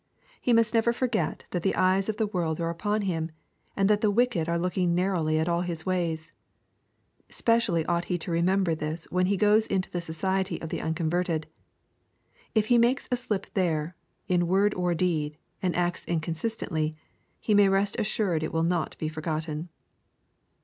He must never forget that the eyes of the world are upon him, and that the wicked are looking narrowly at all his ways. Specially ought he to remember this when he goes into the society of the unconverted. If he makes a slip there, in word or deed, and acts inconsistently, he may rest assured it will not be forgotten.